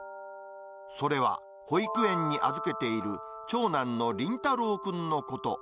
それは、保育園に預けている長男の倫太朗くんのこと。